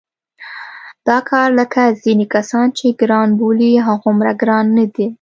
دا کار لکه ځینې کسان چې ګران بولي هغومره ګران نه دی.